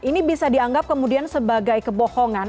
ini bisa dianggap kemudian sebagai kebohongan